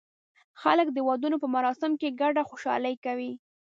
خلک د ودونو په مراسمو کې ګډه خوشالي کوي.